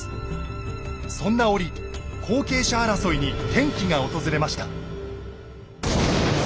そんな折後継者争いに転機が訪れました。